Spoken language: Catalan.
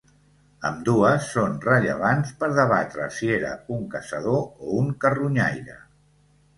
Ambdues són rellevants per debatre si era un caçador o un carronyaire.